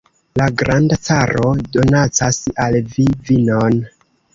La granda caro donacas al vi vinon!